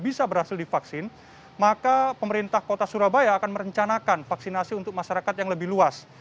bisa berhasil divaksin maka pemerintah kota surabaya akan merencanakan vaksinasi untuk masyarakat yang lebih luas